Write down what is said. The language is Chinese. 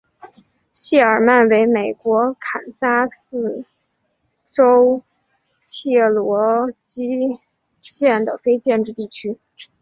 谢尔曼为美国堪萨斯州切罗基县的非建制地区。